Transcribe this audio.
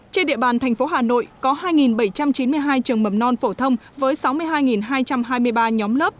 trên địa bàn thành phố hà nội có hai bảy trăm chín mươi hai trường mầm non phổ thông với sáu mươi hai hai trăm hai mươi ba nhóm lớp